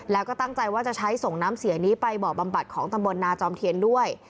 แล้วก็ตั้งใจว่าจะใช้ส่งน้ำเสียนี้ไปบ่อบำบัดของตำบลนาจอมเทียนด้วย